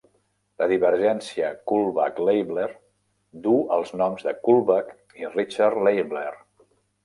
La divergència Kullback-Leibler duu els noms de Kullback i Richard Leibler.